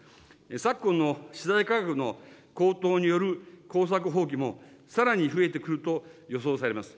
昨今の資材価格の高騰による耕作放棄もさらに増えてくると予想されます。